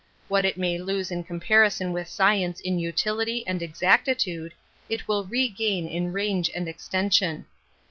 What it may lose in com parison with science in, utility and exacti tude, it will regain in range and exteiisiot].